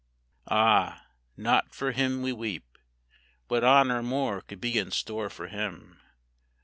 Ah, not for him we weep; What honor more could be in store for him?